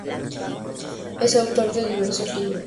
Es autor de diversos libros.